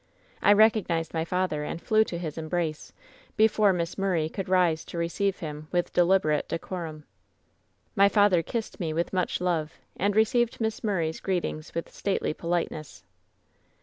"I recognized my father and flew to his embrace, be fore Miss Murray could rise to receive him with de liberate decorum. "My father kissed me with much love and received Miss Murray's greetings with stately politeness.